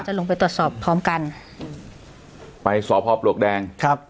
ลงไปตรวจสอบพร้อมกันไปสพปลวกแดงครับ